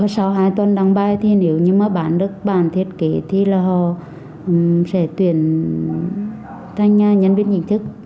sau hai tuần đăng bài nếu mà bán được bản thiết kế thì họ sẽ tuyển thành nhân viên nhìn thức